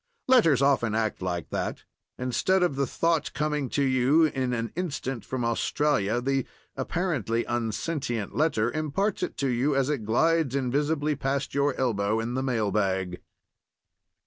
Letters often act like that. Instead of the thought coming to you in an instant from Australia, the (apparently) unsentient letter imparts it to you as it glides invisibly past your elbow in the mail bag.